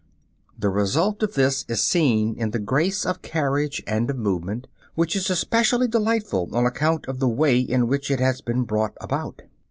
The result of this is seen in the grace of carriage and of movement, which is especially delightful on account of the way in which it has been brought about.